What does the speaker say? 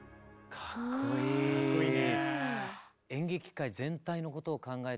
かっこいいね。